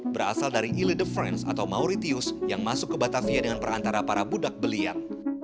berasal dari illidofrans atau mauritius yang masuk ke batafia dengan perantara para budak belian